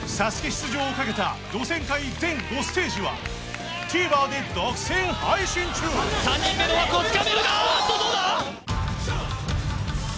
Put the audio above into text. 出場をかけた予選会全５ステージはＴＶｅｒで独占配信中３人目の枠をつかめるかああっとどうだ！？